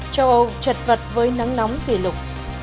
châu âu trật vật với nắng nóng kỷ lục